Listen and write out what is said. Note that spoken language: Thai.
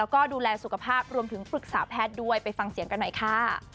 แล้วก็ดูแลสุขภาพรวมถึงปรึกษาแพทย์ด้วยไปฟังเสียงกันหน่อยค่ะ